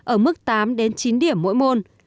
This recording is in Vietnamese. ở mức tám đến chín điểm mỗi môn